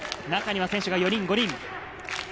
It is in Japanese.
中には選手が４人、５人。